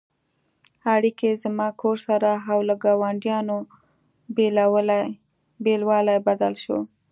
اړیکې «زما کور» سره او له ګاونډیانو بېلوالی بدل شو.